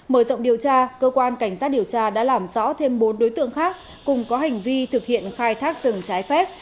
mở rộng điều tra cơ quan cảnh sát điều tra đã làm rõ thêm bốn đối tượng khác cùng có hành vi thực hiện khai thác rừng trái phép